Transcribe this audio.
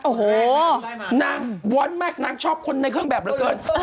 โอ้โหนางว้อนมากนางชอบคนในเครื่องแบบเหลือเกิน